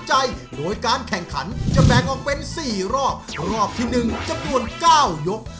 ใจโดยการแข่งขันจะแบ่งออกเป็นสี่รอบรอบที่หนึ่งจำนวนเก้ายก